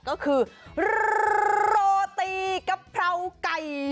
ก็คือโรตีกะเพราไก่